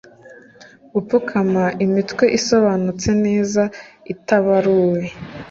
Gupfukama imitwe isobanutse neza itabaruwe